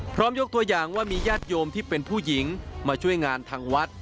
ยกตัวอย่างว่ามีญาติโยมที่เป็นผู้หญิงมาช่วยงานทางวัด